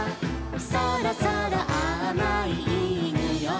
「そろそろあまいいいにおい」